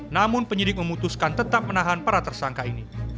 namun penyidik memutuskan tetap menahan para tersangka ini